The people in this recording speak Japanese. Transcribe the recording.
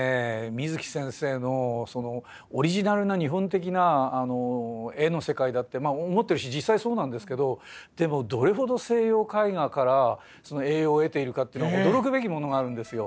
水木先生のオリジナルな日本的な絵の世界だって思ってるし実際そうなんですけどでもどれほど西洋絵画からその栄養を得ているかっていうのは驚くべきものがあるんですよ。